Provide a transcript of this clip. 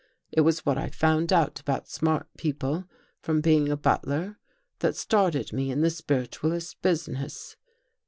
It was what I found out about smart people from being a butler that started me in the spiritualist business.